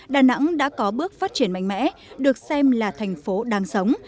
đà nẵng đã có bước phát triển mạnh mẽ được xem là thành phố đang sống